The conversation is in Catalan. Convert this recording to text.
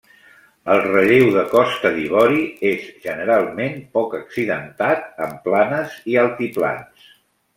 El relleu de Costa d'Ivori és generalment poc accidentat, amb planes i altiplans.